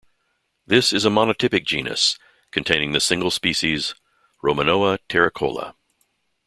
This is a monotypic genus, containing the single species Romanoa terricola.